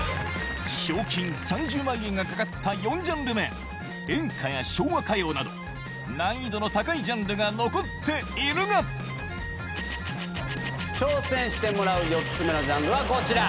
賞金３０万円が懸かった４ジャンル目「演歌」や「昭和歌謡」など難易度の高いジャンルが残っているが挑戦してもらう４つ目のジャンルはこちら。